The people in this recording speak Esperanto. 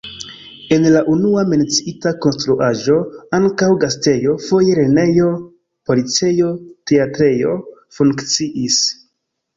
En la unua menciita konstruaĵo ankaŭ gastejo, foje lernejo, policejo, teatrejo funkciis.